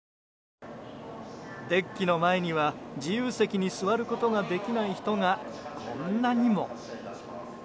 デッキの前には自由席に座ることができない人がこんなにも。